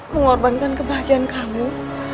mengorbankan kebahagiaan kamu